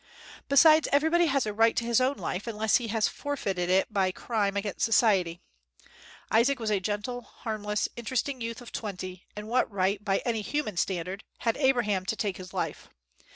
Besides, everybody has a right to his own life, unless he has forfeited it by crime against society. Isaac was a gentle, harmless, interesting youth of twenty, and what right, by any human standard, had Abraham to take his life?